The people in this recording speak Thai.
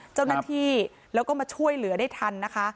เจ้าหน้าที่แล้วก็มาช่วยเหลือได้ทันนะคะ